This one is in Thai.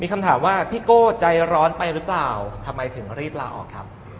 คำถามว่าพี่โก้ใจร้อนไปหรือเปล่าทำไมถึงรีบลาออกครับ